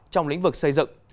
trong lĩnh vực xây dựng